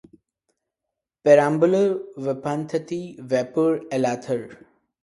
Perambalur, Veppanthattai, Veppur, Alathur.